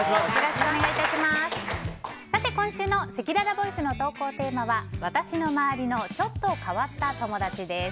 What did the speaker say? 今週のせきららボイスの投稿テーマは私の周りのちょっと変わった友達です。